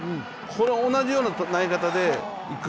この同じような投げ方でいく。